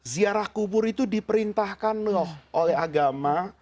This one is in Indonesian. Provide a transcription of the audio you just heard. ziarah kubur itu diperintahkan loh oleh agama